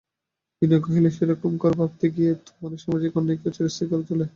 বিনয় কহিল, সেইরকম করে ভাবতে গিয়েই তো মানুষ সামাজিক অন্যায়কে চিরস্থায়ী করে তোলে।